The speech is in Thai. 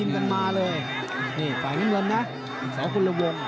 สคุณลวง